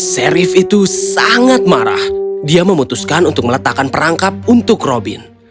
sherif itu sangat marah dia memutuskan untuk meletakkan perangkap untuk robin